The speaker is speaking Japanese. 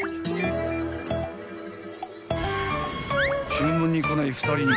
［注文に来ない２人に］